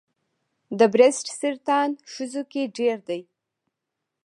د بریسټ سرطان ښځو کې ډېر دی.